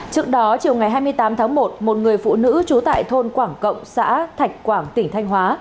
trước đó chiều ngày hai mươi tám tháng một một người phụ nữ trú tại thôn quảng cộng xã thạch quảng tỉnh thanh hóa